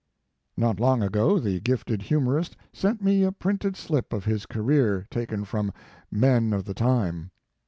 Not long ago the gifted humorist sent me a printed slip of his career, taken from "Men of the Time."